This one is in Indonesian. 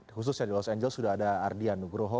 khususnya di los angeles sudah ada ardian nugroho